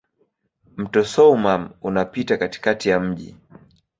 Mto Soummam unapita katikati ya mji.